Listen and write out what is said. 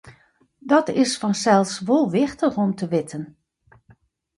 Dat is fansels wol wichtich om te witten.